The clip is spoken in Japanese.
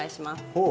ほう。